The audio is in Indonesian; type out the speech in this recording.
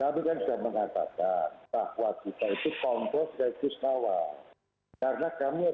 kami kan sudah mengatakan